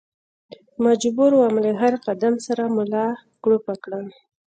مجبور ووم له هر قدم سره ملا کړوپه کړم.